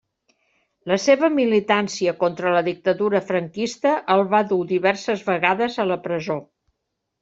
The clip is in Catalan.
La seva militància contra la dictadura franquista el va dur diverses vegades a la presó.